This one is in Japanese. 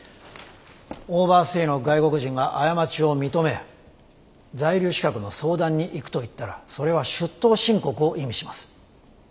オーバーステイの外国人が過ちを認め在留資格の相談に行くと言ったらそれは出頭申告を意味します。